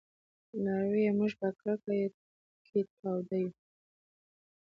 لارويه! موږ په کرکه کې تاوده يو